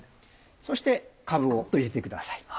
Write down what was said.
そしてかぶを入れてください。